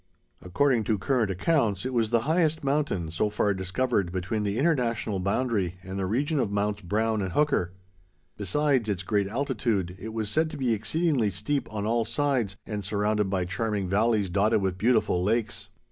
According to current accounts, it was the highest mountain so far discovered between the International boundary and the region of Mounts Brown and Hooker. Besides its great altitude, it was said to be exceedingly steep on all sides, and surrounded by charming valleys dotted with beautiful lakes.